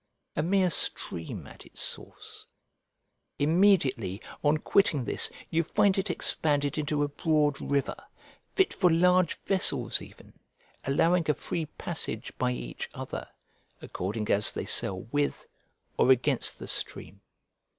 A mere stream at its source, immediately, on quitting this, you find it expanded into a broad river, fit for large vessels even, allowing a free passage by each other, according as they sail with or against the stream.